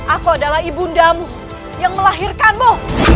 aku adalah ibundamu yang melahirkanmu